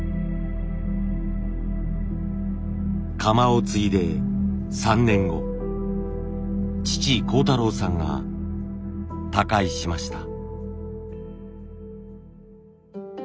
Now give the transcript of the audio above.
窯を継いで３年後父耕太さんが他界しました。